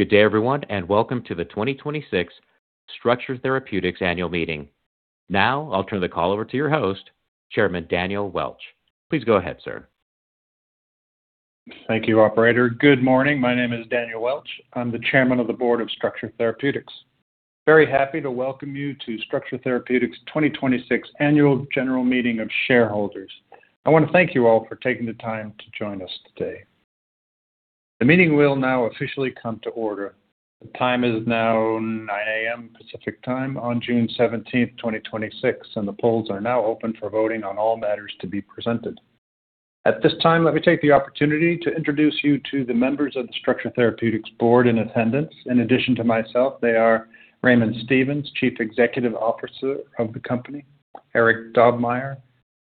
Good day everyone. Welcome to the 2026 Structure Therapeutics Annual Meeting. I'll turn the call over to your host, Chairman Daniel Welch. Please go ahead, sir. Thank you, operator. Good morning. My name is Daniel Welch. I'm the chairman of the board of Structure Therapeutics. Very happy to welcome you to Structure Therapeutics 2026 Annual General Meeting of Shareholders. I want to thank you all for taking the time to join us today. The meeting will now officially come to order. The time is now 9:00 A.M. Pacific Time on June 17th, 2026. The polls are now open for voting on all matters to be presented. At this time, let me take the opportunity to introduce you to the members of the Structure Therapeutics board in attendance. In addition to myself, they are Raymond Stevens, Chief Executive Officer of the company, Eric Dobmeier,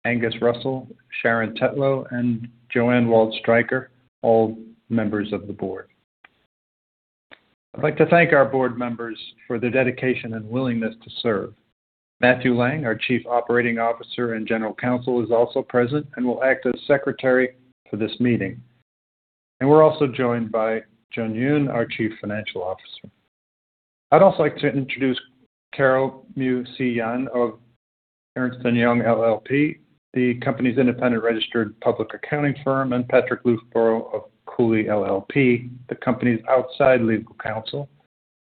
Angus Russell, Sharon Tetlow, and Joanne Waldstreicher, all members of the board. I'd like to thank our board members for their dedication and willingness to serve. Matthew Lang, our Chief Operating Officer and General Counsel, is also present and will act as Secretary for this meeting. We're also joined by Jun Yoon, our Chief Financial Officer. I'd also like to introduce Carole Mu Si Yan of Ernst & Young LLP, the company's independent registered public accounting firm, and Patrick Loofbourrow of Cooley LLP, the company's outside legal counsel,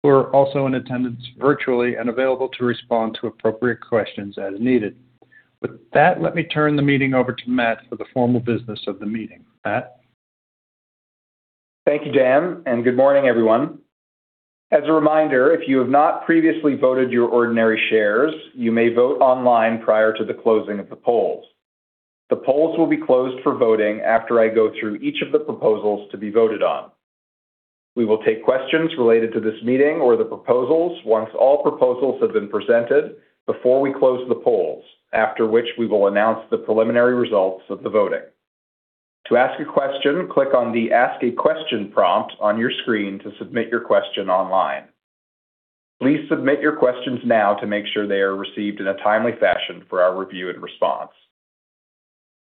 who are also in attendance virtually and available to respond to appropriate questions as needed. With that, let me turn the meeting over to Matt for the formal business of the meeting. Matt? Thank you, Dan. Good morning everyone. As a reminder, if you have not previously voted your ordinary shares, you may vote online prior to the closing of the polls. The polls will be closed for voting after I go through each of the proposals to be voted on. We will take questions related to this meeting or the proposals once all proposals have been presented before we close the polls, after which we will announce the preliminary results of the voting. To ask a question, click on the Ask a Question prompt on your screen to submit your question online. Please submit your questions now to make sure they are received in a timely fashion for our review and response.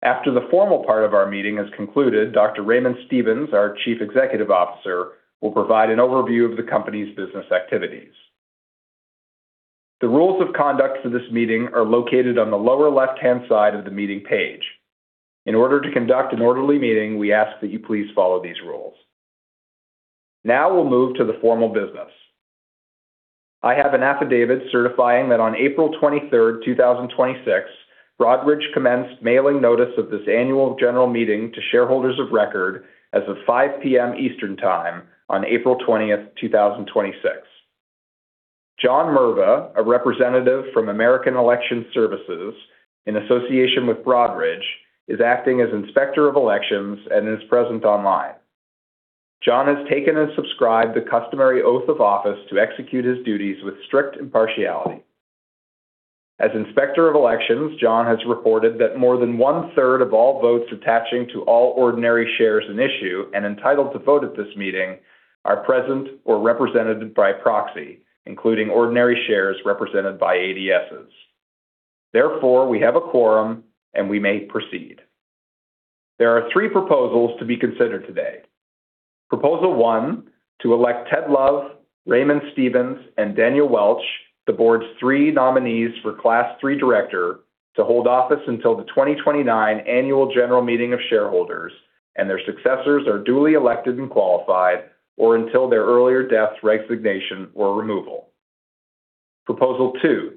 After the formal part of our meeting has concluded, Dr. Raymond Stevens, our Chief Executive Officer, will provide an overview of the company's business activities. The rules of conduct for this meeting are located on the lower left-hand side of the meeting page. In order to conduct an orderly meeting, we ask that you please follow these rules. Now we'll move to the formal business. I have an affidavit certifying that on April 23rd, 2026, Broadridge commenced mailing notice of this annual general meeting to shareholders of record as of 5:00 P.M. Eastern Time on April 20th, 2026. John Merva, a representative from American Election Services, in association with Broadridge, is acting as Inspector of Elections and is present online. John has taken and subscribed the customary oath of office to execute his duties with strict impartiality. As Inspector of Elections, John has reported that more than one-third of all votes attaching to all ordinary shares in issue and entitled to vote at this meeting are present or represented by proxy, including ordinary shares represented by ADSs. Therefore, we have a quorum, and we may proceed. There are three proposals to be considered today. Proposal 1, to elect Ted Love, Raymond Stevens, and Daniel Welch, the Board's three nominees for Class III Director, to hold office until the 2029 Annual General Meeting of Shareholders and their successors are duly elected and qualified, or until their earlier death, resignation, or removal. Proposal 2,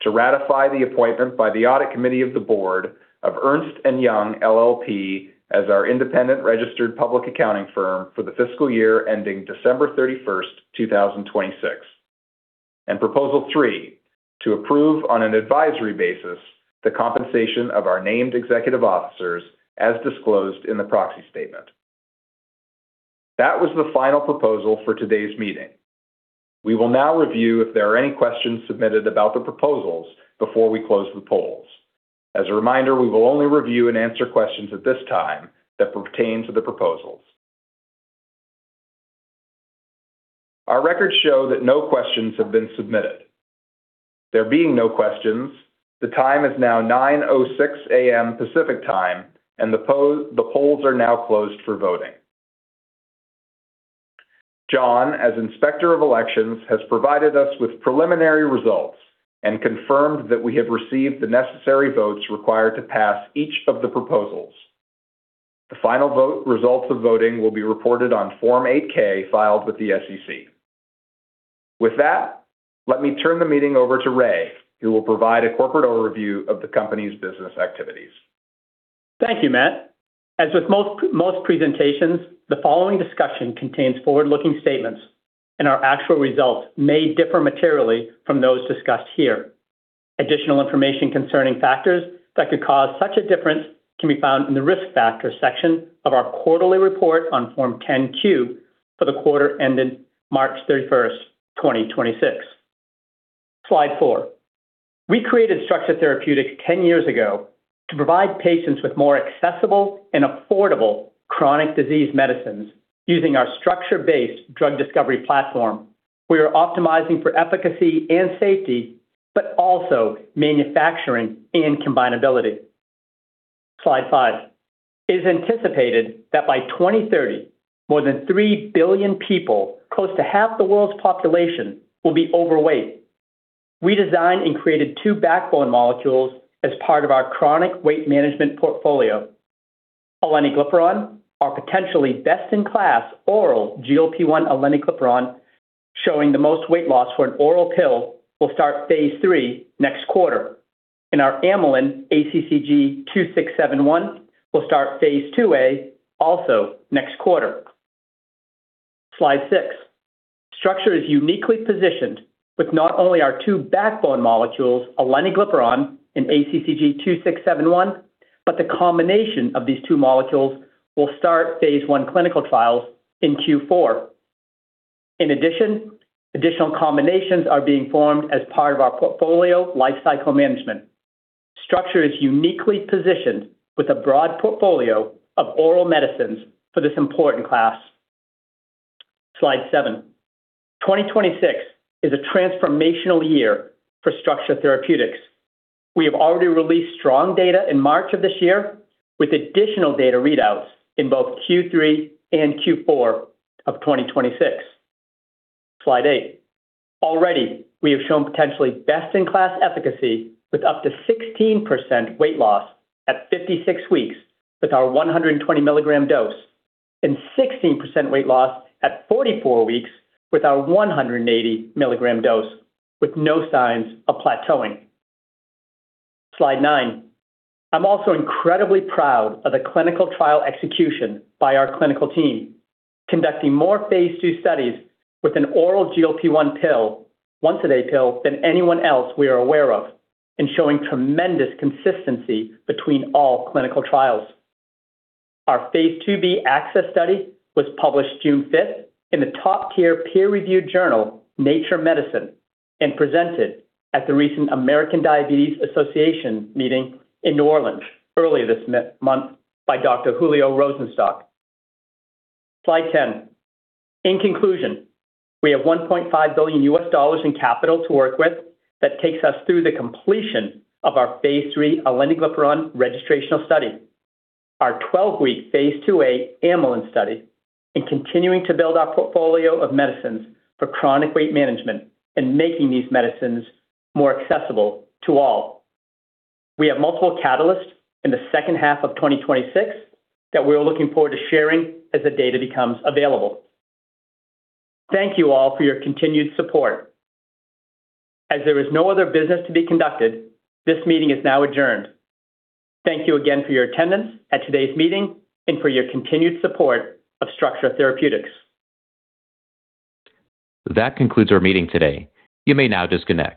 to ratify the appointment by the Audit Committee of the Board of Ernst & Young LLP as our independent registered public accounting firm for the fiscal year ending December 31st, 2026. Proposal 3, to approve on an advisory basis the compensation of our named executive officers as disclosed in the proxy statement. That was the final proposal for today's meeting. We will now review if there are any questions submitted about the proposals before we close the polls. As a reminder, we will only review and answer questions at this time that pertain to the proposals. Our records show that no questions have been submitted. There being no questions, the time is now 9:06 A.M. Pacific Time, and the polls are now closed for voting. John, as Inspector of Elections, has provided us with preliminary results and confirmed that we have received the necessary votes required to pass each of the proposals. The final vote results of voting will be reported on Form 8-K filed with the SEC. With that, let me turn the meeting over to Ray, who will provide a corporate overview of the company's business activities. Thank you, Matt. As with most presentations, the following discussion contains forward-looking statements, and our actual results may differ materially from those discussed here. Additional information concerning factors that could cause such a difference can be found in the Risk Factor section of our quarterly report on Form 10-Q for the quarter ended March 31st, 2026. Slide 4. We created Structure Therapeutics 10 years ago to provide patients with more accessible and affordable chronic disease medicines using our structure-based drug discovery platform. We are optimizing for efficacy and safety, but also manufacturing and combinability. Slide 5. It is anticipated that by 2030, more than 3 billion people, close to half the world's population, will be overweight. We designed and created two backbone molecules as part of our chronic weight management portfolio. Aleniglipron, our potentially best-in-class oral GLP-1 aleniglipron, showing the most weight loss for an oral pill, will start phase III next quarter, and our amylin, ACCG-2671, will start phase II-A also next quarter. Slide 6. Structure is uniquely positioned with not only our two backbone molecules, aleniglipron and ACCG-2671, but the combination of these two molecules will start phase I clinical trials in Q4. Additional combinations are being formed as part of our portfolio lifecycle management. Structure is uniquely positioned with a broad portfolio of oral medicines for this important class. Slide 7. 2026 is a transformational year for Structure Therapeutics. We have already released strong data in March of this year, with additional data readouts in both Q3 and Q4 of 2026. Slide 8. We have shown potentially best-in-class efficacy with up to 16% weight loss at 56 weeks with our 120 mg dose and 16% weight loss at 44 weeks with our 180 mg dose, with no signs of plateauing. Slide 9. I'm also incredibly proud of the clinical trial execution by our clinical team, conducting more phase II studies with an oral GLP-1 pill, once-a-day pill, than anyone else we are aware of and showing tremendous consistency between all clinical trials. Our phase II-B ACCESS study was published June 5th in the top peer-reviewed journal, "Nature Medicine," and presented at the recent American Diabetes Association meeting in New Orleans earlier this month by Dr. Julio Rosenstock. Slide 10. We have $1.5 billion in capital to work with that takes us through the completion of our phase III aleniglipron registrational study, our 12-week phase II-A amylin study, and continuing to build our portfolio of medicines for chronic weight management and making these medicines more accessible to all. We have multiple catalysts in the second half of 2026 that we're looking forward to sharing as the data becomes available. Thank you all for your continued support. There is no other business to be conducted, this meeting is now adjourned. Thank you again for your attendance at today's meeting and for your continued support of Structure Therapeutics. That concludes our meeting today. You may now disconnect.